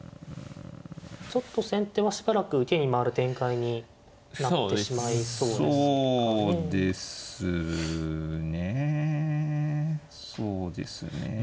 ちょっと先手はしばらく受けに回る展開になってしまいそうですかね。